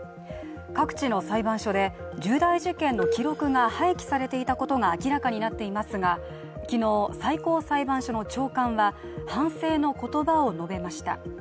各地の裁判所で、重大事件の記録が廃棄されていたことが明らかになっていますが昨日、最高裁判所の長官は反省の言葉を述べました。